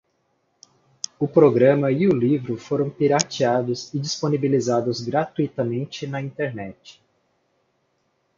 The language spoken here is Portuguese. O programa e o livro foram pirateados e disponibilizados gratuitamente na internet